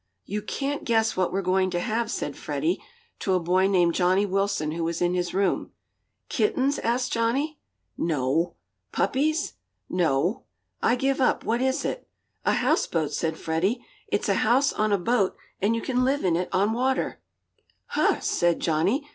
"You can't guess what we're going to have," said Freddie to a boy named Johnnie Wilson, who was in his room. "Kittens?" asked Johnnie. "No." "Puppies?" "No." "I give up what is it?" "A houseboat," said Freddie. "It's a house on a boat, and you can live in it on water." "Huh!" said Johnnie.